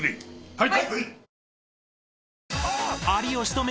はい。